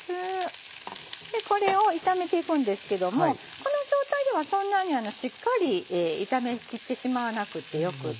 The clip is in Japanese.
これを炒めていくんですけどもこの状態ではそんなにしっかり炒めきってしまわなくてよくて。